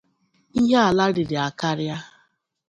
Ihe ala rìrì àkárịá